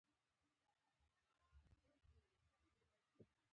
وړوکی سرپوښ څنګ ته شو.